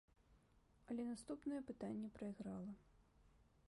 Але наступнае пытанне прайграла.